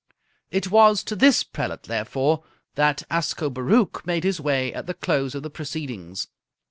It was to this prelate, therefore, that Ascobaruch made his way at the close of the proceedings.